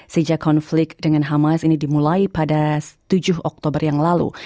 sejak konflik dengan hamas ini dimulai pada tujuh oktober yang lalu